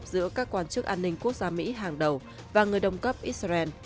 giữa các quan chức an ninh quốc gia mỹ hàng đầu và người đồng cấp israel